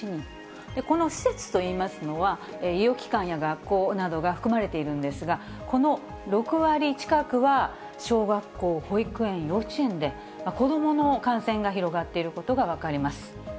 この施設といいますのは、医療機関や学校などが含まれているんですが、この６割近くは小学校、保育園、幼稚園で、子どもの感染が広がっていることが分かります。